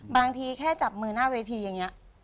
บางทีแค่จับมือหน้าเวทีอย่างนี้